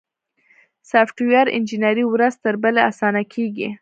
سافټویر انجینري ورځ تر بلې اسانه کیږي.